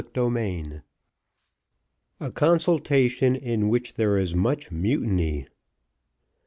Chapter V A consultat on in which there is much mutiny.